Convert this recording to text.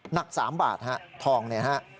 หนัก๓บาททองเนี่ยฮะ